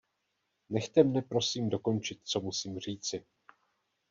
Nechte mne, prosím, dokončit, co musím říci.